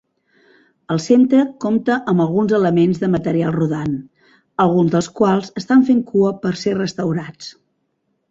El centre compta amb alguns elements de material rodant, alguns dels quals estan fent cua per ser restaurats.